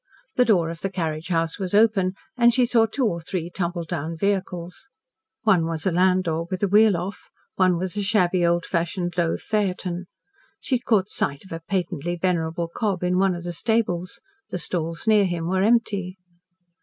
The door of the carriage house was open and she saw two or three tumbled down vehicles. One was a landau with a wheel off, one was a shabby, old fashioned, low phaeton. She caught sight of a patently venerable cob in one of the stables. The stalls near him were empty.